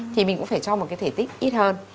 thì mình cũng phải cho một cái thể tích ít hơn